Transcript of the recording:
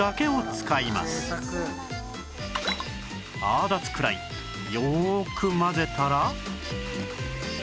泡立つくらいよく混ぜたら